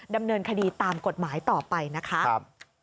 ดำเนินคดีตามกฎหมายต่อไปนะคะ